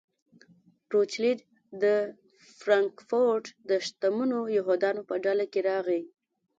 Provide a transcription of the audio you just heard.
روچیلډ د فرانکفورټ د شتمنو یهودیانو په ډله کې راغی.